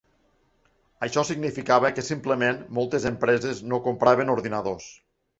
Això significava que simplement moltes empreses no compraven ordinadors.